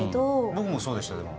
僕もそうでした。